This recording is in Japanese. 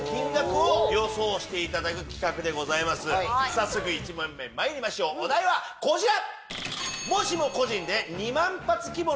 早速１問目まいりましょうお題はこちら！